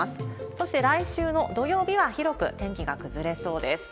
そして来週の土曜日は広く天気が崩れそうです。